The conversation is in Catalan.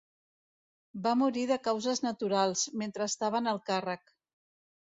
Va morir de causes naturals, mentre estava en el càrrec.